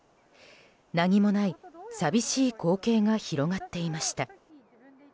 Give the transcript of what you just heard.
何もない寂しい光景が広がっていました。